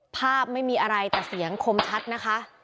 ภาพไม่มีอะไรแต่เสียงคมชัดนะคะ